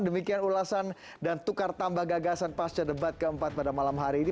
demikian ulasan dan tukar tambah gagasan pasca debat keempat pada malam hari ini